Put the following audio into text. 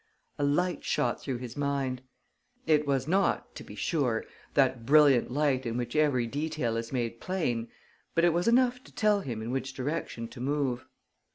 A light shot through his mind. It was not, to be sure, that brilliant light in which every detail is made plain, but it was enough to tell him in which direction to move.